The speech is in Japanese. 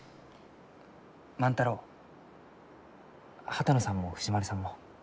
万太郎波多野さんも藤丸さんも。